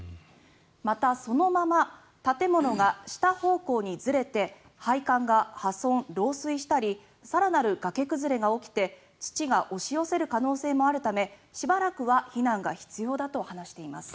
また、そのまま建物が下方向にずれて配管が破損・漏水したり更なる崖崩れが起きて土が押し寄せる可能性もあるためしばらくは避難が必要だと話しています。